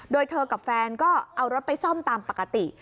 โดยเธอกับแฟนก็เอารถไปซ่อมตามปกติ